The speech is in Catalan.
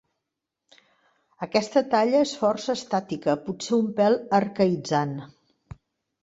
Aquesta talla és força estàtica, potser un pèl arcaïtzant.